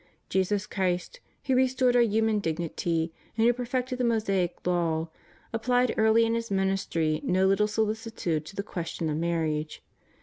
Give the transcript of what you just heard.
Jesus Christ, who restored our human dignity and who per fected the Mosaic law, applied early in His ministry no little solicitude to the question of marriage.